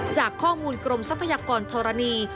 จากข้อมูลกรมทรัพยากรธรณี